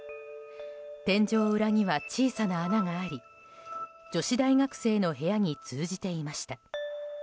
天井裏には小さな穴があり女子大学生の部屋に通じていました。